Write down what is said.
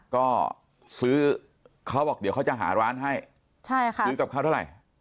ก็ซื้อเขาบอกเดี๋ยวเขาจะหาร้านให้ซื้อกับข้าวเท่าไหร่